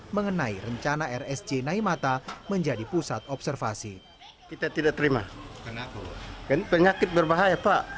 mengenai rencana rsj naimata menjadi pusat observasi